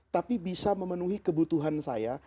tapi bisa memenuhi kebutuhan saya